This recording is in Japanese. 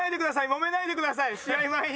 もめないでください試合前に。